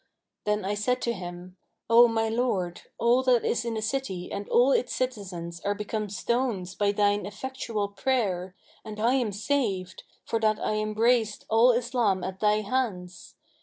Then said I to him, 'O my lord, all that is in the city and all its citizens are become stones by thine effectual prayer, and I am saved, for that I embraced Al Islam at thy hands.